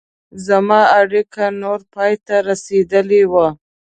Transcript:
زما اړیکه نوره پای ته رسېدلې وه.